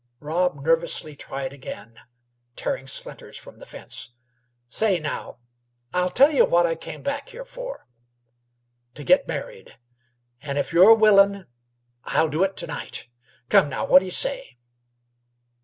Rob nervously tried again, tearing splinters from the fence. "Say, now, I'll tell yeh what I came back here for t' git married; and if you're willin' I'll do it to night. Come, now, whaddy y' say?"